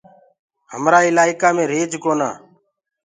همرآ اِلآئيڪآ مينٚ ريٚڇ ڪونآ۔